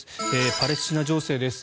パレスチナ情勢です。